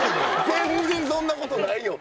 全然そんなことないよ！